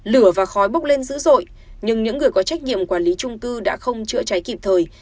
lửa và khói bốc lên dữ dội nhưng những người có trách nhiệm quản lý trung cư đã không chữa cháy kịp thời